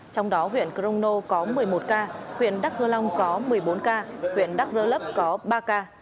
trong đó huyện crono có một mươi một ca huyện đắk rơ long có một mươi bốn ca huyện đắk rơ lấp có ba ca